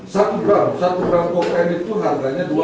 satu gram satu gram kokain itu harganya dua lima juta